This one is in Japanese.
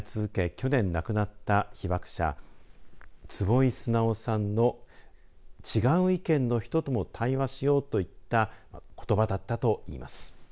去年、亡くなった被爆者坪井直さんの違う意見の人とも対話しようといったことばだったといいます。